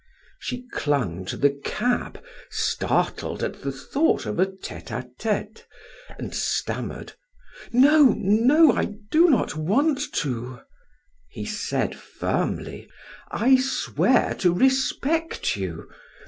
She clung to the cab, startled at the thought of a tete a tete, and stammered: "No, no, I do not want to." He said firmly: "I swear to respect you.